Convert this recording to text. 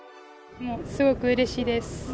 もうすごくうれしいです。